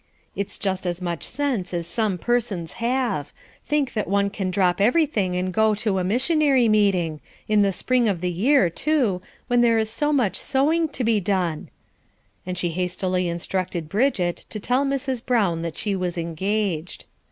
That's just as much sense as some persons have; think that one can drop everything and go to a missionary meeting in the spring of the year, too, when there is so much sewing to be done;" and she hastily instructed Bridget to tell Mrs. Brown that she was "engaged."